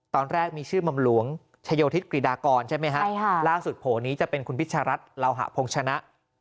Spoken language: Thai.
ตอนแรกมีชื่อหม่อมหลวงชโยธิศกรีดากรใช่ไหมฮะล่าสุดโผล่นี้จะเป็นคุณพิชารัฐเหล่าหะพงชนะ